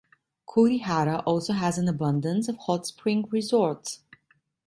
Kurihara also has an abundance of hot spring resorts.